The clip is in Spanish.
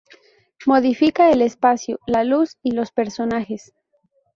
Modifica el espacio, la luz y los personajes.